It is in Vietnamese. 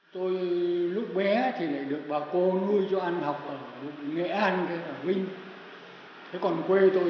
tôi lúc bé thì lại được bà cô nuôi cho tôi